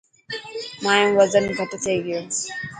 مايو وزن گهٽ ٿي گيو.